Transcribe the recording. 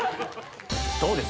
どうです？